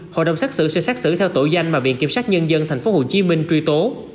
hội đồng xét xử sẽ xác xử theo tội danh mà viện kiểm sát nhân dân tp hcm truy tố